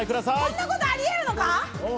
こんなことありえるのか！？